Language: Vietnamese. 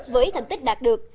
với thành tích đạt được